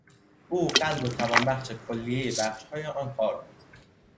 او قلب و توانبخش کلیهی بخشهای آن کار بود.